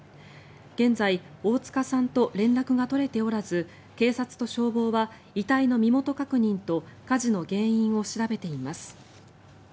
現在、大塚さんと連絡が取れておらず警察と消防は遺体の身元確認と火事の原因を調べています。